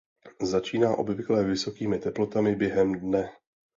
Začíná obvykle vysokými teplotami během dne.